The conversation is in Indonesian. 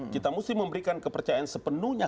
kita mesti memberikan kepercayaan sepenuhnya